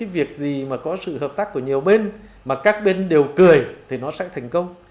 việc gì mà có sự hợp tác của nhiều bên mà các bên đều cười thì nó sẽ thành công